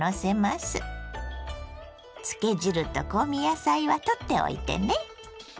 漬け汁と香味野菜は取っておいてね。